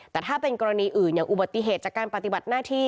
แต่ถ้าเป็นกรณีอื่นอย่างอุบัติเหตุจากการปฏิบัติหน้าที่